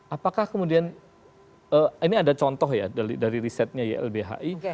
apakah kemudian ini ada contoh ya dari risetnya ylbhi